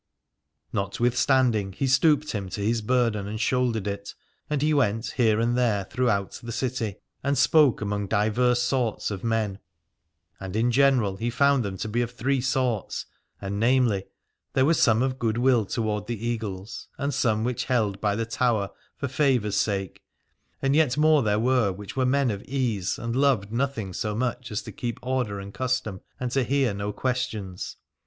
Notwithstanding he stooped him to his burden and shouldered it : and he went here and there throughout the city and spoke among divers sorts of men. And in general he found them to be of three sorts : and namely, there were some of good will toward the Eagles, and some which held by the Tower, for favour's sake : and yet more there were which were men of ease and loved nothing so much as to keep order and custom and to hear no questions.